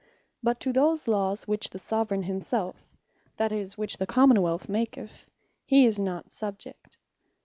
But to those Lawes which the Soveraign himselfe, that is, which the Common wealth maketh, he is not subject.